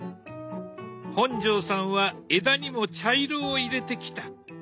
本上さんは枝にも茶色を入れてきた。